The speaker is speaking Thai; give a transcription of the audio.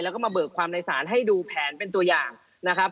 แล้วก็มาเบิกความในศาลให้ดูแผนเป็นตัวอย่างนะครับ